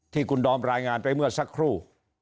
ที่คุณดอมรายงานไปเมื่อสักครู่